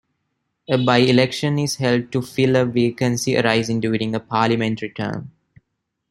A by-election is held to fill a vacancy arising during a parliamentary term.